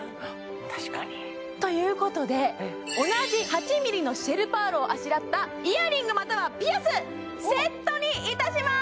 確かにということで同じ８ｍｍのシェルパールをあしらったイヤリングまたはピアスセットにいたします！